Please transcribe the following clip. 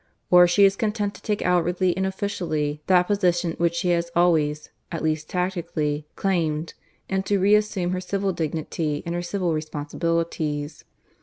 Or she is content to take outwardly and officially that position which she has always, at least tacitly, claimed, and to reassume her civil dignity and her civil responsibilities.